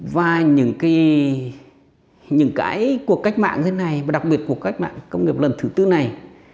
và những cuộc cách mạng như thế này đặc biệt cuộc cách mạng công nghiệp lần thứ tư này